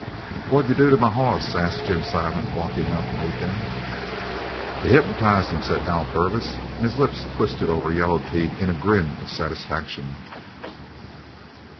"What'd you do to my hoss?" asked Jim Silent, walking out to meet them. "He hypnotized him," said Hal Purvis, and his lips twisted over yellow teeth into a grin of satisfaction.